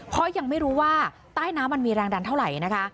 เพราะยังไม่รู้ว่าใต้น้ำมันมีแรงดันเท่าไหร่นะคะ